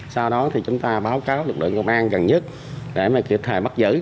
sau đó thì chúng ta báo cáo lực lượng công an gần nhất để mà kịp thời bắt giữ